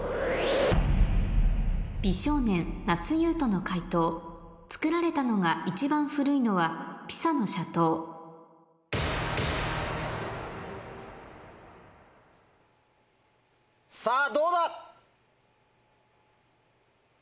美少年・那須雄登の解答作られたのが一番古いのは「ピサの斜塔」さぁどうだ？